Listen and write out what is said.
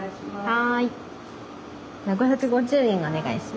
はい。